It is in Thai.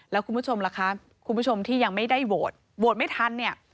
แล้วคุณผู้ชมล่ะคะคุณผู้ชมที่ยังไม่ได้โหวตโหวตไม่ทันเนี่ย